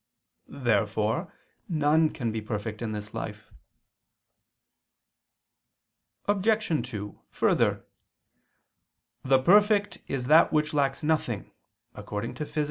Therefore none can be perfect in this life. Obj. 2: Further, "The perfect is that which lacks nothing" (Phys.